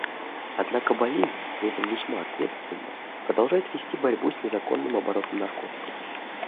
Однако Боливия, при этом весьма ответственно, продолжает вести борьбу с незаконным оборотом наркотиков.